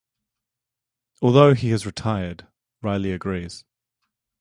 Although he is retired, Riley agrees.